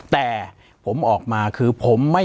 ปากกับภาคภูมิ